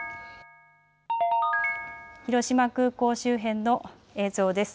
広島空港周辺の映像です。